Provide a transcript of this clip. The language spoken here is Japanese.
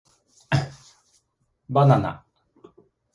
Banana